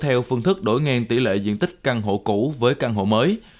theo phương thức đổi ngang tỷ lệ diện tích căn hộ cũ với căn hộ mới